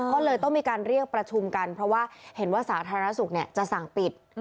ก็เลยต้องมีการเรียกประชุมกันเพราะว่าเห็นว่าสาธารณสุขจะสั่งปิด